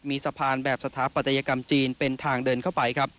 มีสะพานแบบสถาปัตยกรรมจีนเป็นทางเดินเข้าไปครับ